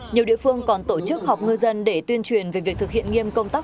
nhiều địa phương còn tổ chức họp ngư dân để tuyên truyền về việc thực hiện nghiêm công tác